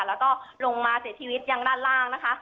แล้วก็ลงมาเสียชีวิตอย่างร่างนะคะ